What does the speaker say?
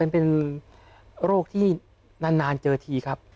เป็นโรคที่นานเจอทีครับ